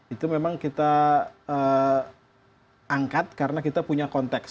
itu memang kita angkat karena kita punya konteks